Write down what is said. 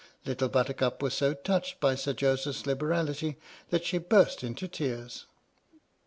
Little Buttercup was so touched by Sir Joseph's liberality that she burst into tears.